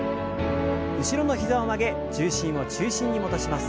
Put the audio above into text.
後ろの膝を曲げ重心を中心に戻します。